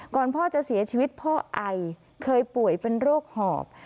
พ่อจะเสียชีวิตพ่อไอเคยป่วยเป็นโรคหอบ